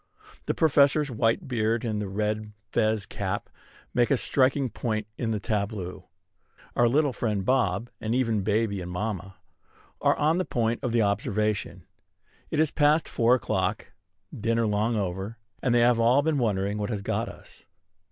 The Professor's white beard and red fez cap make a striking point in the tableau. Our little friend Bob, and even baby and mamma, are on the point of observation. It is past four o'clock, dinner long over; and they have all been wondering what has got us.